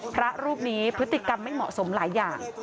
พระรูปนี้พฤติกรรมไม่เหมาะสมหลายอย่าง